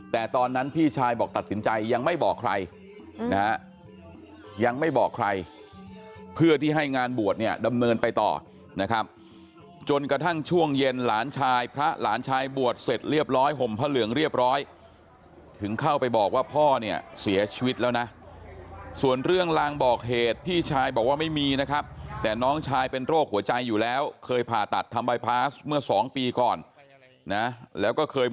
แต่ตอนนั้นพี่ชายบอกตัดสินใจยังไม่บอกใครนะฮะยังไม่บอกใครเพื่อที่ให้งานบวชเนี่ยดำเนินไปต่อนะครับจนกระทั่งช่วงเย็นหลานชายพระหลานชายบวชเสร็จเรียบร้อยห่มพระเหลืองเรียบร้อยถึงเข้าไปบอกว่าพ่อเนี่ยเสียชีวิตแล้วนะส่วนเรื่องลางบอกเหตุพี่ชายบอกว่าไม่มีนะครับแต่น้องชายเป็นโรคหัวใจอยู่แล้วเคยผ่าตัดทำบายพาสเมื่อสองปีก่อนนะแล้วก็เคย